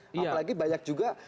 apalagi banyak juga